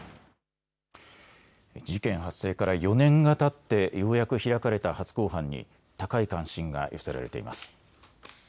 事件発生から４年がたってようやく開かれた初公判に高い関心が寄せられています。